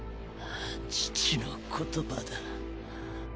父の言葉だ。